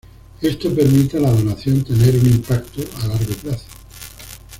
Esto permite a la donación tener un impacto a largo plazo.